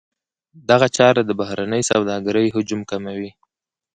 دغه چاره د بهرنۍ سوداګرۍ حجم کموي.